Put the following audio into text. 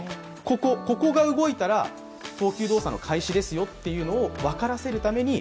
ここが動いたら投球動作の開始ですよと分からせるために